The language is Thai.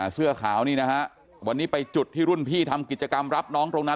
เสื้อขาวนี่นะฮะวันนี้ไปจุดที่รุ่นพี่ทำกิจกรรมรับน้องตรงนั้น